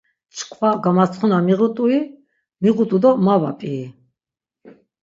Çkva gamatsxuna miğut̆ui, miğut̆u do ma va p̆ii?